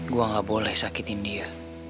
gue gak boleh sakitin dia